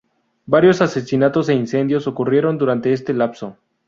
Varios asesinatos e incendios ocurrieron durante este lapso.